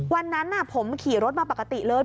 วันนั้นผมขี่รถมาปกติเลย